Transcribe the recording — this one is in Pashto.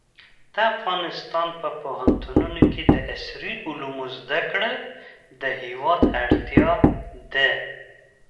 د افغانستان په پوهنتونونو کې د عصري علومو زده کړه د هېواد اړتیا ده.